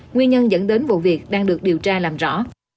nguyên nhân dẫn đến vụ việc đang được điều tra làm rõ